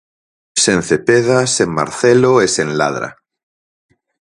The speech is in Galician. Sen Cepeda, sen Marcelo e sen Ladra.